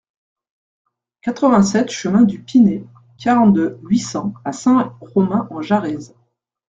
quatre-vingt-sept chemin du Pinay, quarante-deux, huit cents à Saint-Romain-en-Jarez